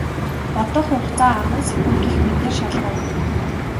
Бодох хугацаа арван секунд гэх мэтээр шалгав.